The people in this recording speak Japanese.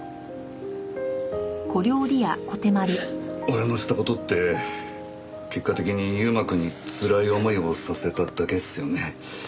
俺のした事って結果的に優馬くんにつらい思いをさせただけですよね。